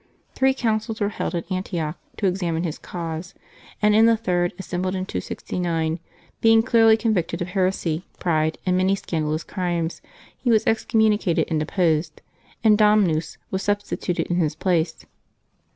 Three councils were held at Antioch to examine his cause, and in the third, assembled in 2G9, being clearly convicted of heresy, Mat 31] LIVES OF THE SAINTS 199 pride^ and many scandalous crimes, he was excommuni cated and deposed, and Dommis was substituted in his place.